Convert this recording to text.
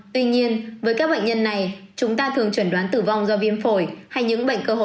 tuy nhiên với các bệnh nhân này chúng ta thường chuẩn đoán tử vong do viêm phổi